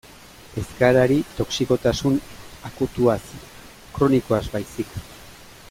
Ez gara ari toxikotasun akutuaz, kronikoaz baizik.